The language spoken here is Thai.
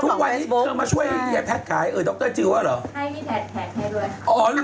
ทุกวันนี้เขามาช่วยให้แพ็กซ์ขายดรจิลว่าเหรอ